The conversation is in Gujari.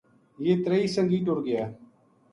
یہ تریہی سنگی ٹر گیا